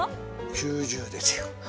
９０ですよ。